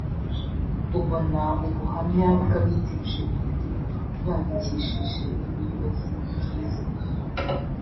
ubona ubuhamya bw’abiteje imbere babikesheje ubuyobozi bwiza